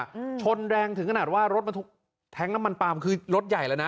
อืมชนแรงถึงขนาดว่ารถบรรทุกแท้งน้ำมันปลามคือรถใหญ่แล้วนะ